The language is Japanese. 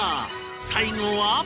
最後は